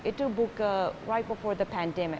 itu buka sebelum pandemi